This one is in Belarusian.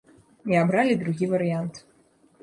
І абралі другі варыянт.